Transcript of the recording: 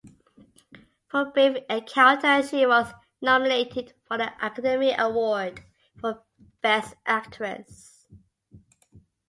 For "Brief Encounter", she was nominated for the Academy Award for Best Actress.